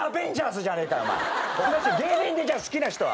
芸人でじゃあ好きな人は？